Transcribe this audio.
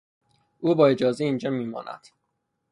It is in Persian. او با اجازه اینجا میماند.